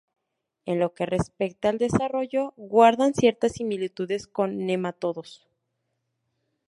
En lo que respecta al desarrollo, guardan ciertas similitudes con nemátodos.